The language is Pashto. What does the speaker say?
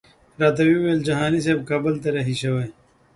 راته ویې ویل جهاني صاحب کابل ته رهي شوی.